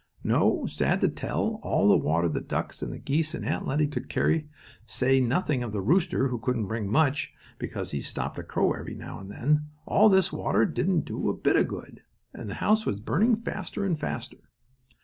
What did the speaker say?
No, sad to tell, all the water the ducks and the geese and Aunt Lettie could carry, to say nothing of the rooster who couldn't bring much, because he stopped to crow every now and then all this water didn't do a bit of good, and the house was burning faster and faster.